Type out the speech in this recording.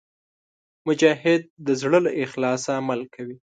مجاهد د زړه له اخلاصه عمل کوي.